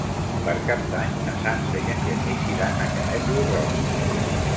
Per Cap d'Any na Sança i en Genís iran a Canet lo Roig.